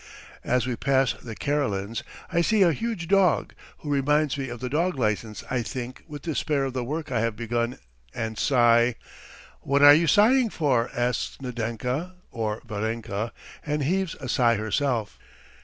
As we pass the Karelins', I see a huge dog, who reminds me of the dog licence. I think with despair of the work I have begun and sigh. "What are you sighing for?" asks Nadenka (or Varenka), and heaves a sigh herself.